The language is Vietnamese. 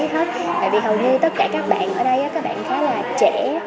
bởi vì hầu như tất cả các bạn ở đây các bạn khá là trẻ